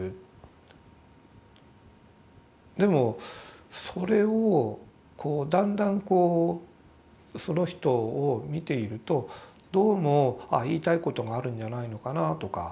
でもそれをこうだんだんこうその人を見ているとどうも言いたいことがあるんじゃないのかなとか。